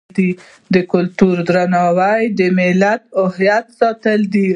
د کلتور درناوی د ملت هویت ساتي.